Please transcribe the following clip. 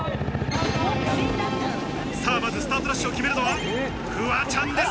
まずスタートダッシュを決めるのは、フワちゃんです。